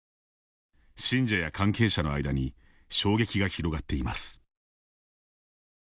信者や関係者の間に衝撃が広がっています。